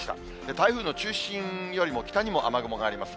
台風の中心よりも北にも雨雲があります。